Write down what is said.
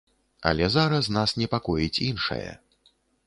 Але зараз нас непакоіць іншае.